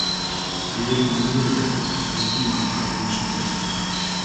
دیل بوزورگۂ امزو ما نایېل شودۉم